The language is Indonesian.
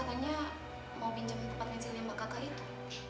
saya mau pinjam kotak pensilnya mbak kakak itu